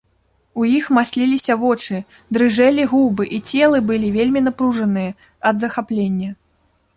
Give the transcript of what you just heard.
У іх масліліся вочы, дрыжэлі губы, і целы былі вельмі напружаныя ад захаплення.